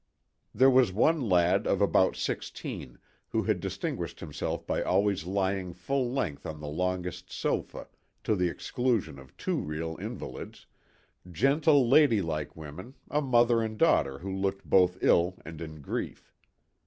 There was one lad of about sixteen who had distinguished himself by always lying full length on the longest sofa to the exclusion of two real THE TWO WILLS. 121 invalids, gentle lady like women, a mother and daughter who looked both ill and in grief.